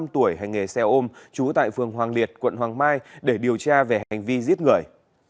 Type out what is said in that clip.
bốn mươi tuổi hành nghề xe ôm trú tại phường hoàng liệt quận hoàng mai để điều tra về hành vi giết người